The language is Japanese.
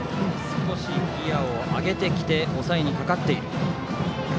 少しギヤを上げてきて抑えにかかっている。